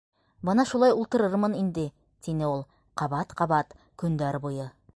—Бына шулай ултырырмын инде, —тине ул, —ҡабат-ҡабат, көндәр буйы...